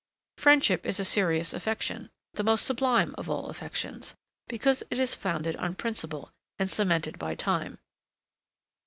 Friendship is a serious affection; the most sublime of all affections, because it is founded on principle, and cemented by time.